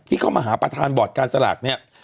เข้ามาหาประธานบอร์ดการสลากเนี่ย